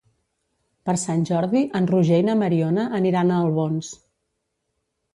Per Sant Jordi en Roger i na Mariona aniran a Albons.